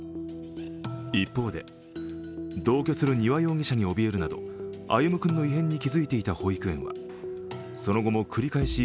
一方で、同居する丹羽容疑者におびえるなど、歩夢君の異変に気づいていた保育園はその後も繰り返し